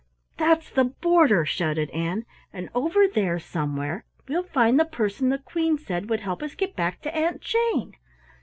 "That's the border," shouted Ann, "and over there somewhere we'll find the person the Queen said would help us get back to Aunt Jane.